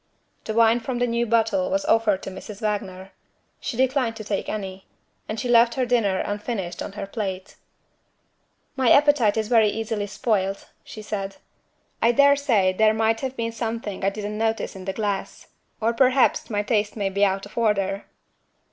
The wine from the new bottle was offered to Mrs. Wagner. She declined to take any: and she left her dinner unfinished on her plate. "My appetite is very easily spoilt," she said. "I dare say there might have been something I didn't notice in the glass or perhaps my taste may be out of order."